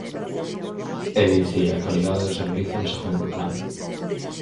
É dicir, a calidade do servizo en segundo plano.